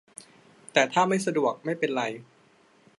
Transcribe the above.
แต่ถ้าไม่สะดวกไม่เป็นไร